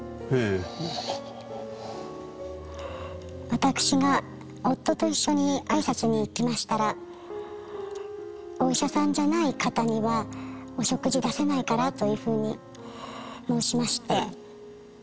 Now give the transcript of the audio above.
私が夫と一緒に挨拶に行きましたらお医者さんじゃない方にはお食事出せないからというふうに申しまして。